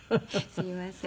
すいません。